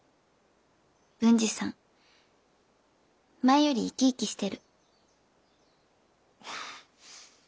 文治さん前より生き生きしてる。